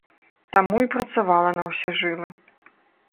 Таму і працавала на ўсе жылы.